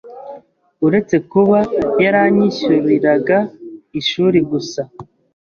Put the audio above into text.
uretse kuba yaranyishyuriraga ishuri gusa,